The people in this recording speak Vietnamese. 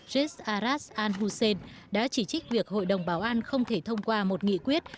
rez aras al hussein đã chỉ trích việc hội đồng bảo an không thể thông qua một nghị quyết